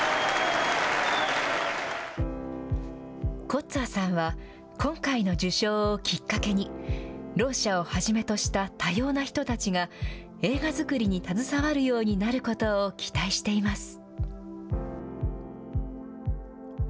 コッツァーさんは、今回の受賞をきっかけに、ろう者をはじめとした多様な人たちが、映画作りに携わるようになることを期待しています。